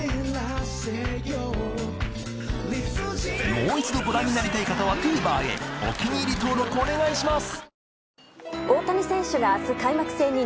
もう一度ご覧になりたい方はＴＶｅｒへお気に入り登録お願いします